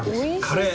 カレー？